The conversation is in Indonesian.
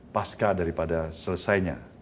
pasca daripada selesainya